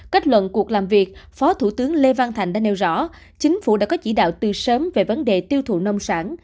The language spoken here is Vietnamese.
kết luận cuộc làm việc phó thủ tướng lê văn thành đã nêu rõ chính phủ đã có chỉ đạo từ sớm về vấn đề tiêu thụ nông sản